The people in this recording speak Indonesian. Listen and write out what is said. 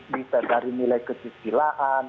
bisa dari nilai kecisilaan